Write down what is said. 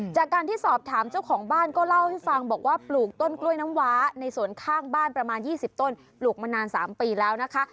จากการที่สอบถามเจ้าของบ้านก็เล่าให้ฟังบอกว่าปลูกต้นกล้วยน้ำว้าในสวนข้างบ้านประมาณ๒๐ต้นปลูกมานาน๓ปีแล้วนะคะ